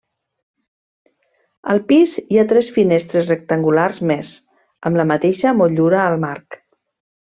Al pis hi ha tres finestres rectangulars més, amb la mateixa motllura al marc.